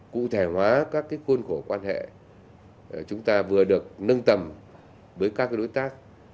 cụ thể hóa các khuôn khổ quan hệ chúng ta vừa được nâng tầm với các đối tác